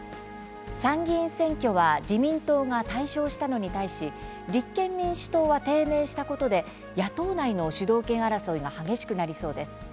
参議院選挙は自民党が大勝したのに対し立憲民主党は低迷したことで野党内の主導権争いが激しくなりそうです。